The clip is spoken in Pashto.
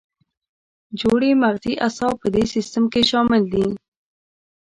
جوړې مغزي اعصاب په دې سیستم کې شامل دي.